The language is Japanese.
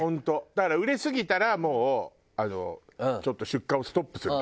だから売れすぎたらもうちょっと出荷をストップするとかね餃子のね。